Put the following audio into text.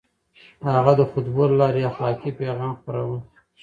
هغه د خطبو له لارې اخلاقي پيغام خپراوه.